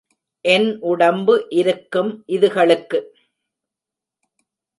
என்ன உடம்பு இருக்கும் இதுகளுக்கு?